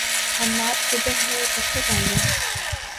حماد، کدھر ہے اور کب تک آئے گا؟